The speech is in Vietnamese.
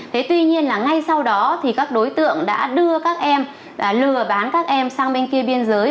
thế tuy nhiên là ngay sau đó thì các đối tượng đã đưa các em lừa bán các em sang bên kia biên giới